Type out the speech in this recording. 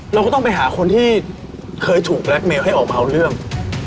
เราก็ต้องไปหาคนที่เคยถูกแล็คเมลให้ออกมาเอาเรื่อง